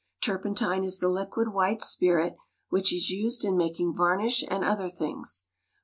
Turpentine is the liquid white spirit which is used in making varnish and other things.